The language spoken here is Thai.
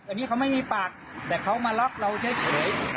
อันนี้เขาไม่มีปากแต่เขามาล็อกเราเฉย